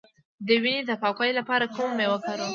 د وینې د پاکوالي لپاره کومه میوه وکاروم؟